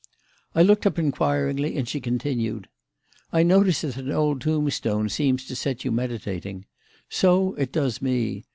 I looked up inquiringly, and she continued: "I notice that an old tombstone seems to set you meditating. So it does me.